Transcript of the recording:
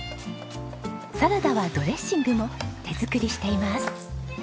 サラダはドレッシングも手作りしています。